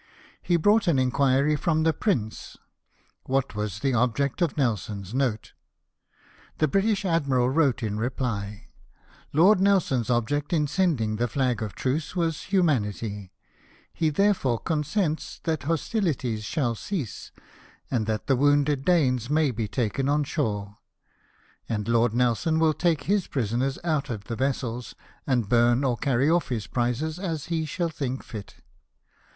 He brought an inquhy from the Prince, What was the object of Nelson's note? The British admiral wrote in reply: "Lord Nelson's object in sending the flag of truce was humanity ; he therefore consents that hostihties shall cease, and that the wounded Danes may be taken on shore. And Lord Nelson will take his prisoners out of the vessels, and burn or carry off .his prizes as he shall think fit.